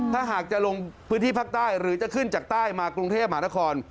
ถ้าหากจะลงพื้นที่ภาคใต้หรือจะขึ้นจากใต้มากรุงเทพมหานคร